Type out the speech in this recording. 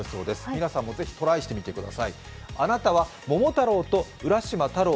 皆さんもぜひトライしてみてください。